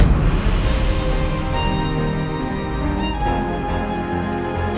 aku juga gak salah